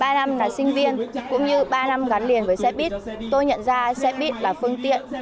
ba năm là sinh viên cũng như ba năm gắn liền với xe buýt tôi nhận ra xe buýt là phương tiện